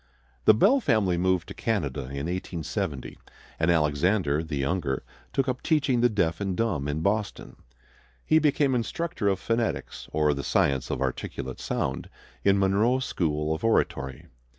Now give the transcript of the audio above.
The Bell family moved to Canada in 1870, and Alexander, the younger, took up teaching the deaf and dumb in Boston. He became instructor of phonetics, or the science of articulate sound, in Monroe's School of Oratory.